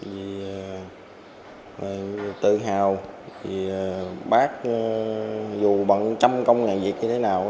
vì tự hào bác dù bận trăm công ngàn việc như thế nào